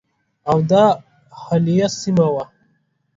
اَوَد حایله سیمه وه.